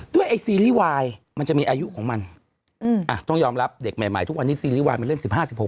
ด้วยไอซีรีย์วายมันจะมีอายุของมันอ่ะต้องยอมรับเด็กใหม่ทุกวันนี้ซีรีย์วายมันเล่นสิบห้าสิบหก